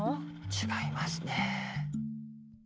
違いますね。